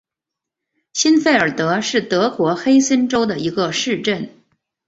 欣费尔德是德国黑森州的一个市镇。